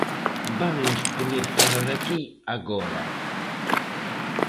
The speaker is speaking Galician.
Vannos poñer fóra de aquí agora.